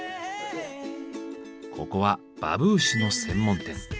ここはバブーシュの専門店。